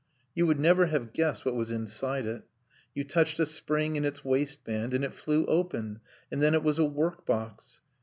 You would never have guessed what was inside it. You touched a spring in its waistband and it flew open, and then it was a workbox.